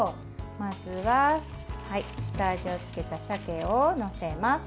まずは、下味をつけたさけを載せます。